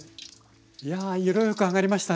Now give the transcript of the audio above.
いやあ色よく揚がりましたね。